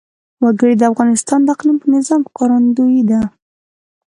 وګړي د افغانستان د اقلیمي نظام ښکارندوی ده.